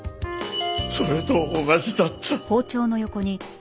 それと同じだった。